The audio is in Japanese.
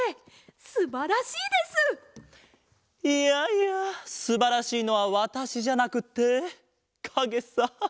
いやいやすばらしいのはわたしじゃなくってかげさ。